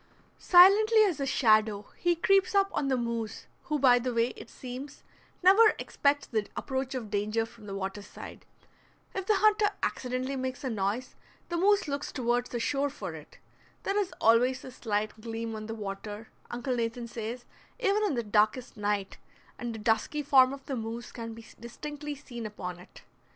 Silently as a shadow he creeps up on the moose, who by the way, it seems, never expects the approach of danger from the water side. If the hunter accidentally makes a noise the moose looks toward the shore for it. There is always a slight gleam on the water, Uncle Nathan says, even in the darkest night, and the dusky form of the moose can be distinctly seen upon it.